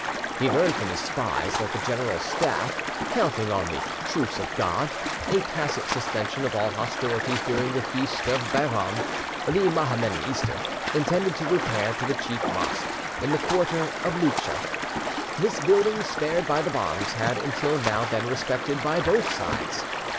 He learned from his spies that the general's staff, counting on the "Truce of God," a tacit suspension of all hostilities during the feast of Bairam, the Mohammedan Easter, intended to repair to the chief mosque, in the quarter of Loutcha. This building, spared by the bombs, had until now been respected by both sides.